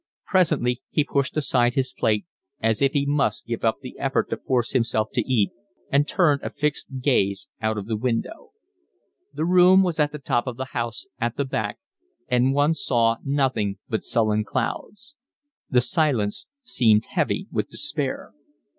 Presently he pushed aside his plate as if he must give up the effort to force himself to eat, and turned a fixed gaze out of the window. The room was at the top of the house, at the back, and one saw nothing but sullen clouds. The silence seemed heavy with despair.